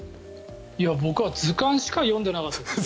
僕は図鑑しか読んでなかったです。